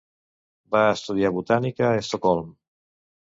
Va estudiar botànica a Estocolm.